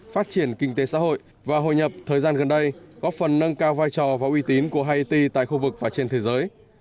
phát triển kinh tế xã hội và hội nhập thời gian gần đây góp phần nâng cao vai trò và uy tín của haiti tại khu vực và trên thế giới